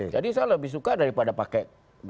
jadi saya lebih suka daripada pakai